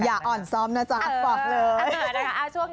อย่าอ่อนซ้อมนะจ๊ะฝากเลย